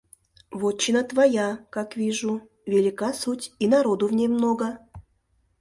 — Вотчина твоя, как вижу, велика суть и народу в ней много...